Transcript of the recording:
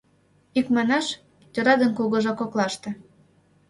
Икманаш, тӧра ден кугыжа коклаште.